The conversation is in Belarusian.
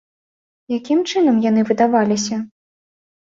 Якім чынам яны выдаваліся?